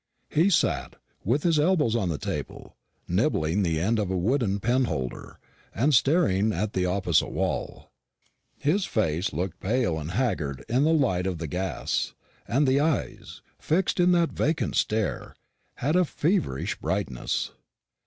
He sat, with his elbows on the table, nibbling the end of a wooden penholder, and staring at the opposite wall. His face looked pale and haggard in the light of the gas, and the eyes, fixed in that vacant stare, had a feverish brightness.